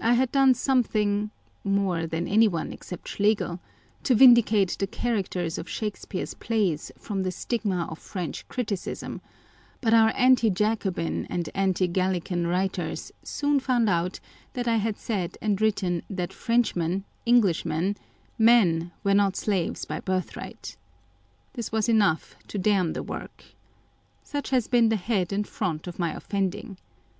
I had done some thing (more than anyone except Schlegel) to vindicate the Characters of Shakespeare's Plays from the stigma of French criticism : but our Anti Jacobin and Anti Gallican writers soon found out that I had said and written that French men, Englishmen, men were not slaves by birthright. This was enough to damn the work. Such has been the head and front of my offending.